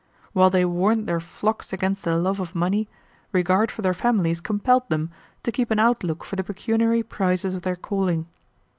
While they warned their flocks against the love of money, regard for their families compelled them to keep an outlook for the pecuniary prizes of their calling.